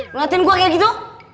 ngeliatin gue kayak gitu